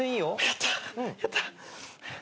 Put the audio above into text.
やった。